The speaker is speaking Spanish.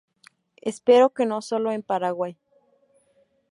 Espero que no solo en Paraguay.